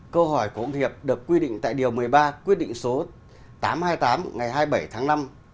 câu hỏi của ông hiệp được quy định tại điều một mươi ba quyết định số tám trăm hai mươi tám ngày hai mươi bảy tháng năm